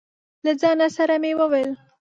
له ځانه سره مې وويل: